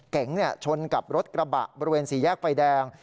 เก๋งชนกับรถกระบะบริเวณสี่แยกไฟแดง